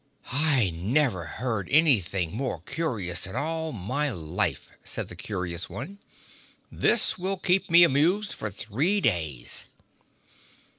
"I never heard anything more curious in my life," said the curious one. "This will keep me amused for three days!"